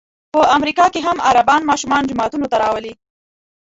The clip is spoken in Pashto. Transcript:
په امریکا کې هم عربان ماشومان جوماتونو ته راولي.